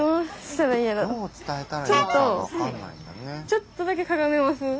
ちょっとだけかがめます？